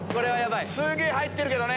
すげぇ入ってるけどね。